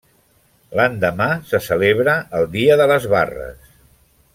L'endemà se celebra el Dia de les Barres.